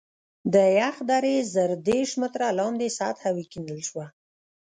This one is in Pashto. د یخ درې زره دېرش متره لاندې سطحه وکیندل شوه